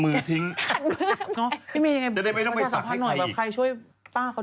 มีช่างคนไหนเก่ง